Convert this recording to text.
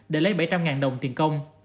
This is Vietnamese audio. để lấy bảy trăm linh đồng tiền công